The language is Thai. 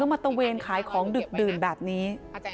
เข้ามาตะเวนขายของดึกแบบนี้